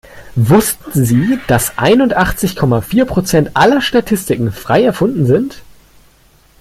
Wussten Sie, dass einundachtzig Komma vier Prozent aller Statistiken frei erfunden sind?